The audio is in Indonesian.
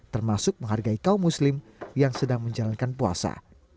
termasuk menghargai kaum muslim yang sedang menjalankan puasa